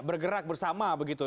bergerak bersama begitu